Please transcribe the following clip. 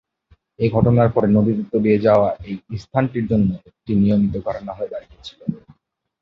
এই ঘটনার পরে, নদীতে তলিয়ে যাওয়া এই স্থানটির জন্য একটি নিয়মিত ঘটনা হয়ে দাঁড়িয়েছিল।